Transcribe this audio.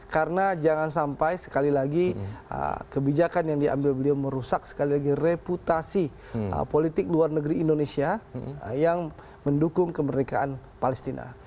karena jangan sampai sekali lagi kebijakan yang diambil beliau merusak sekali lagi reputasi politik luar negeri indonesia yang mendukung kemerdekaan palestina